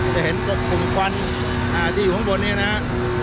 จะเห็นกับกลุ่มควันอ่าที่อยู่ข้างบนเนี้ยนะฮะ